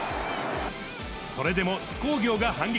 それでも津工業が反撃。